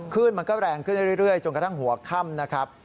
ขึ้นมันก็แรงขึ้นเรื่อยจนกระทั่งหัวค่ำนะครับ